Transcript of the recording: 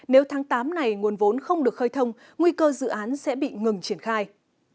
nếu tháng tám này nguồn vốn không được khơi thông nguy cơ dự án sẽ bị ngừng triển khai